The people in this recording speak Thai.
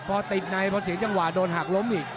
พอติดในนายเพราะเสียงจังหวานโดนหักล้มอีก